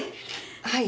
はい。